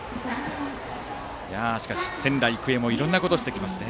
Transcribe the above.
しかし仙台育英もいろんなことをしてきますね。